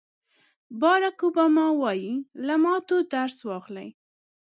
باراک اوباما وایي له ماتو درس واخلئ.